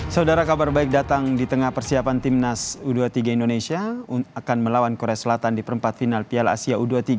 saudara kabar baik datang di tengah persiapan timnas u dua puluh tiga indonesia akan melawan korea selatan di perempat final piala asia u dua puluh tiga